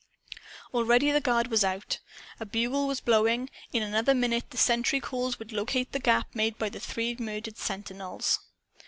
Already the guard was out. A bugle was blowing. In another minute, the sentry calls would locate the gap made by the three murdered sentinels.